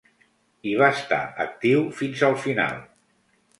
I va estar actiu fins al final.